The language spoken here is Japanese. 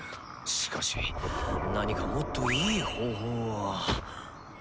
しかし何かもっといい方法は。